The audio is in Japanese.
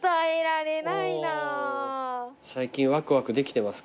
「最近ワクワクできてますか？」